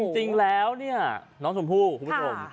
จริงแล้วเนี่ยน้องชมพู่คุณผู้ชม